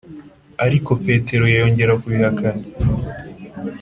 Ariko Petero yongera kubihakana